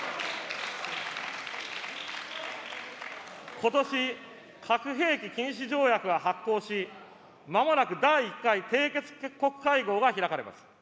ことし、核兵器禁止条約が発効し、まもなく第一回締結国会合が開かれます。